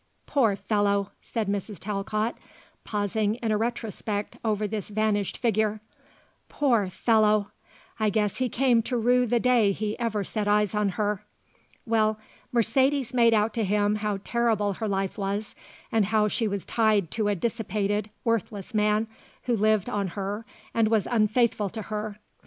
Poor fellow!" said Mrs. Talcott pausing in a retrospect over this vanished figure, "Poor fellow! I guess he came to rue the day he ever set eyes on her. Well, Mercedes made out to him how terrible her life was and how she was tied to a dissipated, worthless man who lived on her and was unfaithful to her.